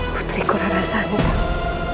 puteriku rara santai